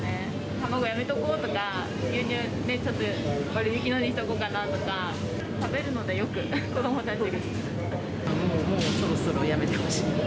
卵やめとこうとか、牛乳、ちょっと割引のにしておこうかなとか、食べるので、よく、子どももうそろそろやめてほしい。